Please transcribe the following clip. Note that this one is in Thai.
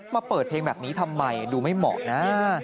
มาเปิดเพลงแบบนี้ทำไมดูไม่เหมาะนะ